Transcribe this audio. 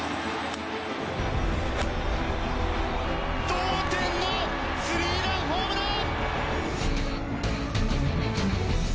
同点のスリーランホームラン！